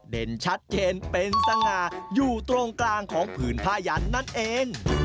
เห็นชัดเจนเป็นสง่าอยู่ตรงกลางของผืนผ้ายันนั่นเอง